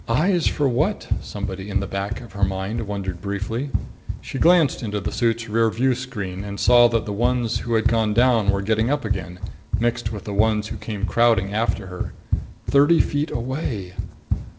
"Eyes for what?" somebody in the back of her mind wondered briefly. She glanced into the suit's rear view screen and saw that the ones who had gone down were getting up again, mixed with the ones who came crowding after her. Thirty feet away!